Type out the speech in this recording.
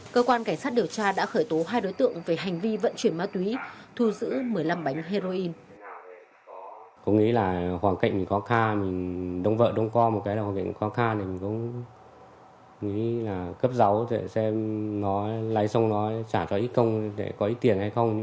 cơ quan cảnh sát điều tra đã khởi tố hai đối tượng về hành vi vận chuyển ma túy thu giữ một mươi năm bánh heroin